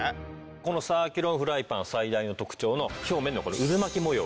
このサーキュロンフライパン最大の特徴の表面のこの渦巻き模様。